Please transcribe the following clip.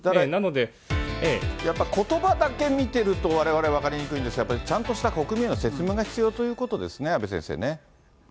やっぱりことばだけ見てると、われわれ分かりにくいんですが、やっぱりちゃんとした国民への説明が必要ということですね、阿部先生ね。